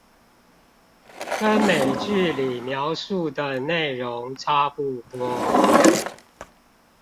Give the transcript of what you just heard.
跟美劇裡描述的內容差不多